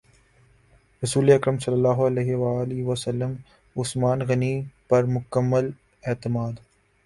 رسول اکرم صلی اللہ علیہ وسلم عثمان غنی پر مکمل اعتماد